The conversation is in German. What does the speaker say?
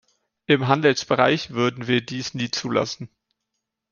Im Handelsbereich würden wir dies nie zulassen.